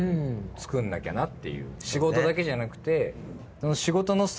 仕事だけじゃなくて。